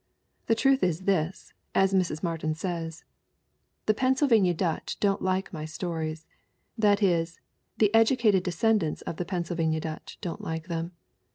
The truth is this, as Mrs. Martin says : "The Pennsylvania Dutch don't like my stories. That is, the educated descendants of the Pennsylvania Dutch don't like them.